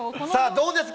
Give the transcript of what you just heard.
どうですか？